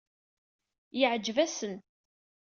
Yeɛjeb-asen.